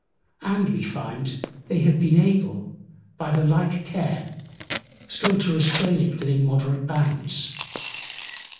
And we find, they have been able, by the like Care, still to restrain it within moderate Bounds.